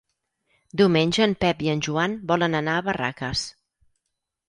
Diumenge en Pep i en Joan volen anar a Barraques.